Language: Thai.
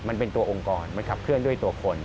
มันเป็นตัวองค์กรมันขับเคลื่อนด้วยตัวคน